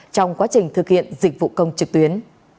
trong quá trình thực hiện dịch vụ công trực tuyến